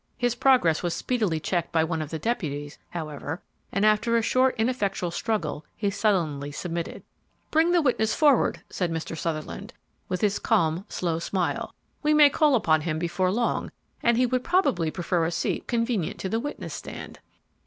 His progress was speedily checked by one of the deputies, however, and after a short, ineffectual struggle he sullenly submitted. "Bring the witness forward," said Mr. Sutherland, with his calm, slow smile; "we may call upon him before long, and he would probably prefer a seat convenient to the witness stand."